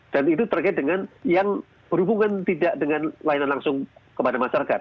dan itu terkait dengan yang berhubungan tidak dengan layanan langsung kepada masyarakat